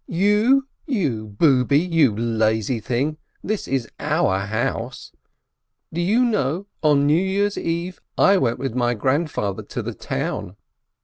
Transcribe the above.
You? You booby, you lazy thing! This is our house ! Do you know, on New Year's Eve I went with my grandfather to the town